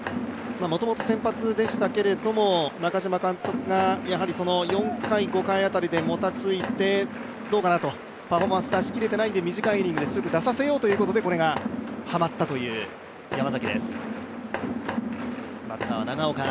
もともと先発でしたけれども、中嶋監督が４回、５回あたりでもたついて、どうかなと、パフォーマンスを出し切れていないんで短いイニングで強く出させようということで出した、これがはまったという山崎です。